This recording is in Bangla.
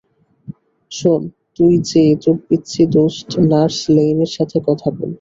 শোন তুই যেয়ে তোর পিচ্চি দোস্ত নার্স লেইন এর সাথে কথা বল।